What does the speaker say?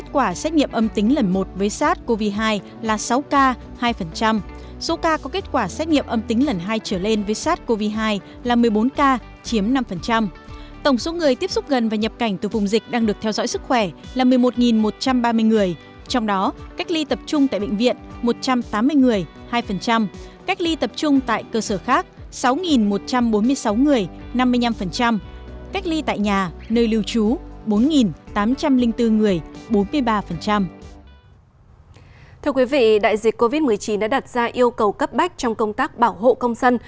thưa quý vị đại dịch covid một mươi chín đã đặt ra yêu cầu cấp bách trong công tác bảo hộ công dân